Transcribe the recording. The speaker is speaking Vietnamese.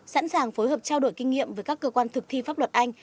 sẵn sàng phối hợp trao đổi kinh nghiệm với các cơ quan thực thi pháp luật anh